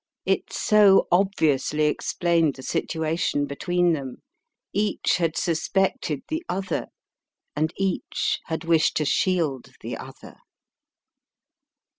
It so obviously explained the situation between them; each had suspected the other, and each had wished to shield the other.